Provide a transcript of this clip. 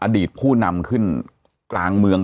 อดีตผู้นำขึ้นกลางเมือง